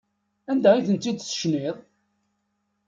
Anda ay tent-id-tecniḍ?